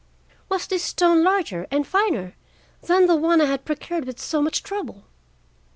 Was this stone larger and finer than the one I had procured with so much trouble?